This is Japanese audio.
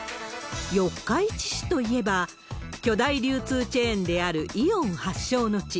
四日市市といえば、巨大流通チェーンであるイオン発祥の地。